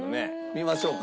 見ましょうか。